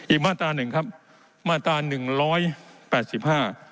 มาตราหนึ่งครับมาตราหนึ่งร้อยแปดสิบห้า